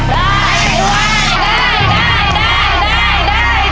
ได้